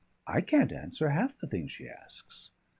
I can't answer half the things she asks."